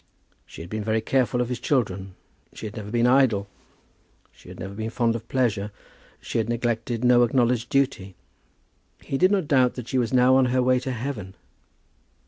She had been very careful of his children. She had never been idle. She had never been fond of pleasure. She had neglected no acknowledged duty. He did not doubt that she was now on her way to heaven.